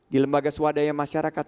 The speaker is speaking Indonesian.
di lembaga swadaya masyarakat